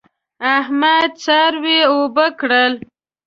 احمد څاروي اوبه کړل.